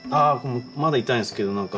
まだ痛いんですけど何か。